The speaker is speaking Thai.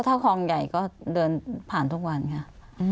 ถ้าคลองใหญ่ก็เดินผ่านทุกวันค่ะ